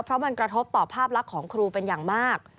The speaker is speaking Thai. เพราะมันกระทบต่อภาพลักษณ์ของครูเป็นอย่างมาก